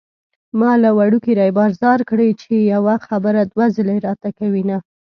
ما له وړوکي ريبار ځار کړې چې يوه خبره دوه ځلې راته کوينه